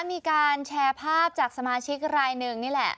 มีการแชร์ภาพจากสมาชิกรายหนึ่งนี่แหละ